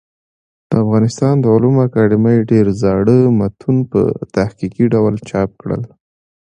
د افغانستان د علومو اکاډمۍ ډېر زاړه متون په تحقيقي ډول چاپ کړل.